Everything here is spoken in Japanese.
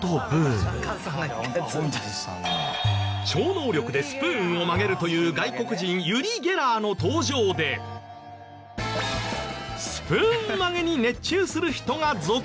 超能力でスプーンを曲げるという外国人ユリ・ゲラーの登場でスプーン曲げに熱中する人が続出。